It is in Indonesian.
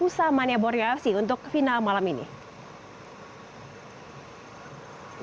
pusah maniabornya fc untuk final malam ini